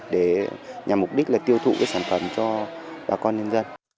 để nhằm mục đích là tiêu thụ sản phẩm cho bà con nhân dân